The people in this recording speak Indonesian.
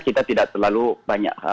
kita tidak terlalu banyak